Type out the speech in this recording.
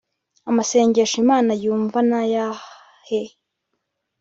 Amasengesho Imana yumva nayahe